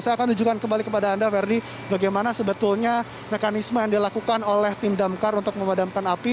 saya akan tunjukkan kembali kepada anda ferdi bagaimana sebetulnya mekanisme yang dilakukan oleh tim damkar untuk memadamkan api